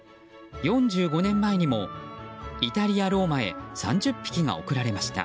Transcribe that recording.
４５年前にもイタリア・ローマへ３０匹が贈られました。